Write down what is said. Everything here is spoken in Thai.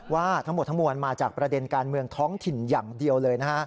ว่าทั้งหมดทั้งมวลมาจากประเด็นการเมืองท้องถิ่นอย่างเดียวเลยนะฮะ